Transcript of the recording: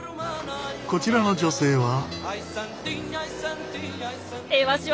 こちらの女性は。